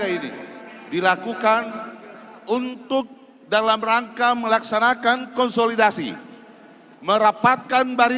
allahumma baligh makasidana ya allah